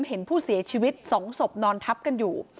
เห็นผู้เสียชีวิต๒ศพนอนทับกันอยู่